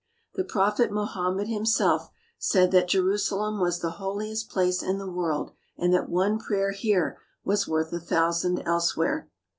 The prophet Mohammed himself said that Je rusalem was the holiest place in the world, and that one prayer here was worth a thousand elsewhere.